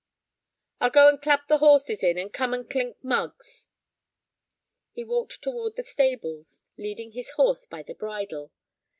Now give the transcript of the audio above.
"I'll go and clap the horses in, and come and clink mugs." He walked toward the stables, leading his horse by the bridle.